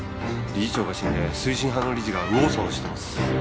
理事長が死んで推進派の理事が右往左往してます。